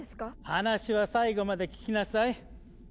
話は最後まで聞きなさい。